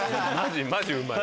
マジうまい！